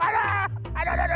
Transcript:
aduh aduh aduh aduh